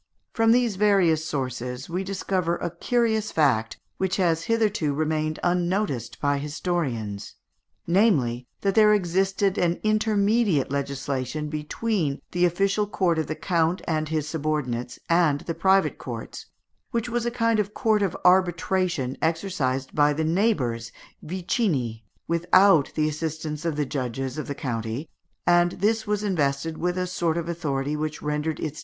From these various sources we discover a curious fact, which has hitherto remained unnoticed by historians namely, that there existed an intermediate legislation between the official court of the count and his subordinates and the private courts, which was a kind of court of arbitration exercised by the neighbours (vicini) without the assistance of the judges of the county, and this was invested with a sort of authority which rendered its decisions binding.